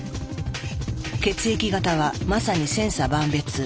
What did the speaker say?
血液型はまさに千差万別。